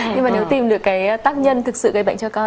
nhưng mà nếu tìm được cái tác nhân thực sự gây bệnh cho con